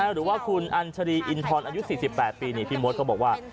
หรือว่าคุณอัญชรีอินทรอายุ๔๘ปีนี่พี่มดเขาบอกว่า